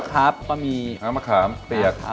ก็มีน้ำมะขามเปียก